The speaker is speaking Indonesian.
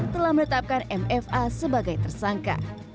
telah menetapkan mfa sebagai tersangka